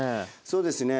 そうですね。